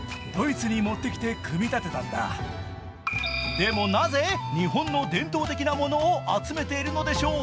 でもなぜ日本の伝統的なものを集めているのでしょう。